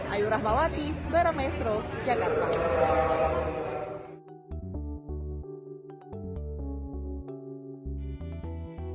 ayu rahmawati para maestro jakarta